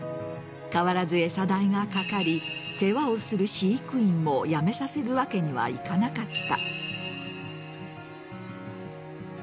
変わらず餌代がかかり世話をする飼育員も辞めさせるわけにはいかなかった。